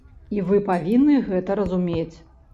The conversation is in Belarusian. І вы павінны гэта разумець.